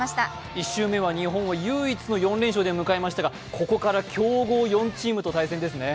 １週目は日本は唯一の４戦全勝でしたがここから強豪４チームと対戦ですね。